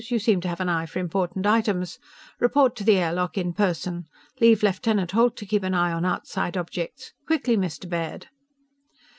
You seem to have an eye for important items. Report to the air lock in person. Leave Lieutenant Holt to keep an eye on outside objects. Quickly, Mr. Baird!